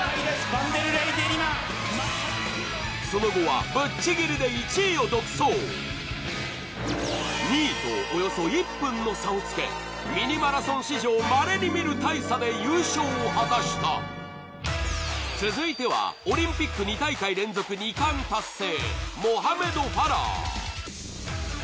バンデルレイ・デ・リマその後はぶっちぎりで１位を独走２位とおよそ１分の差をつけミニマラソン史上まれに見る大差で優勝を果たした続いてはオリンピック２大会連続２冠達成